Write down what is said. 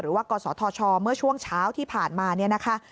กศธชเมื่อช่วงเช้าที่ผ่านมาเนี่ยนะคะ